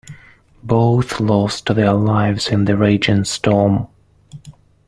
Both lost their lives in the raging storm.